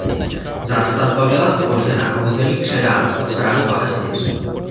Zástavba byla zbořena a území předáno pod správu Palestinců.